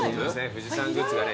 富士山グッズがね